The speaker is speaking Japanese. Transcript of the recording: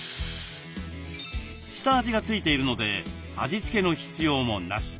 下味が付いているので味付けの必要もなし。